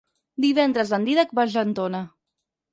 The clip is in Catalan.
Divendres en Dídac va a Argentona.